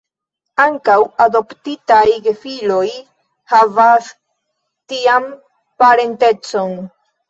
Ankaŭ adoptitaj gefiloj havas tian parencecon.